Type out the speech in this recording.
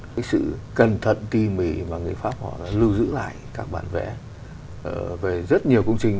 cái sự cẩn thận tỉ mỉ mà người pháp họ đã lưu giữ lại các bản vẽ về rất nhiều công trình